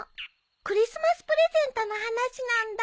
クリスマスプレゼントの話なんだ。